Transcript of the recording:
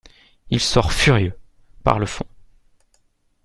Il sort furieux, par le fond.